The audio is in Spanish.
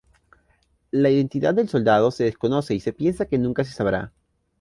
La identidad del soldado se desconoce y se piensa que nunca se sabrá.